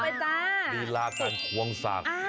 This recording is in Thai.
มันเป็นลิราการควงสัก